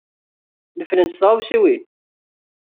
Neflent tɣawsiwin.